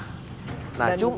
dan bunga pinjaman